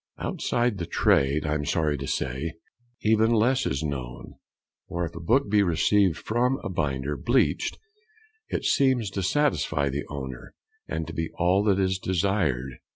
Outside the trade, I am sorry to say, even less is known, for if a book be received from a binder bleached, it seems to satisfy the owner, and to be all that is desired.